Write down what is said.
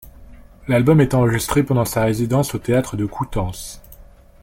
L'album est enregistré pendant sa résidence au théâtre de Coutances.